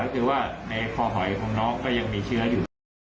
ก็คือว่าในคอหอยของน้องก็ยังมีเชื้ออยู่